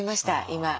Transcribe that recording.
今。